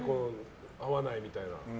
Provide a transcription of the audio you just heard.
合わないみたいなの。